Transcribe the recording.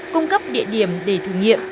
cung cấp địa điểm để thử nghiệm